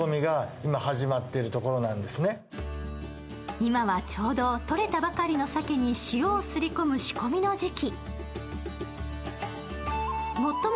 今はちょうどとれたばかりの鮭に塩をすり込む仕込みの時期。